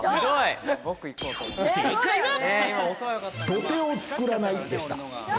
土手をつくらないでした。